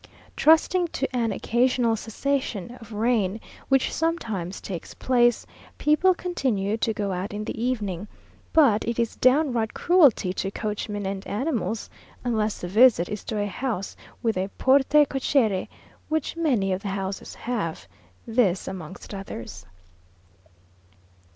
Trusting to an occasional cessation of rain, which sometimes takes place, people continue to go out in the evening, but it is downright cruelty to coachmen and animals, unless the visit is to a house with a porte cochère, which many of the houses have this amongst others.